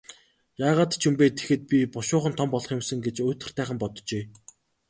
Яагаад ч юм бэ, тэгэхэд би бушуухан том болох юм сан гэж уйтгартайхан боджээ.